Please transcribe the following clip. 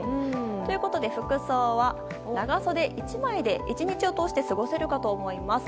ということで服装は長袖１枚で過ごせるかと思います。